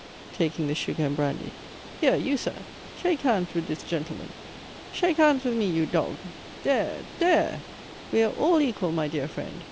(taking the sugar and brandy.) Here you Sir! shake hands with dhis gentleman! Shake hands with me, you dog! Dhere, dhere! We are all equal my dear friend!